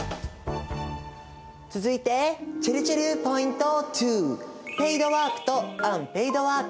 続いてちぇるちぇるポイント２。